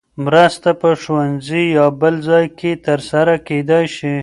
مرسته په ښوونځي یا بل ځای کې ترسره کېدای شي.